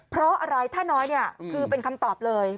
เพราะอะไรถ้าน้อยเนี่ยคือเป็นคำตอบเลย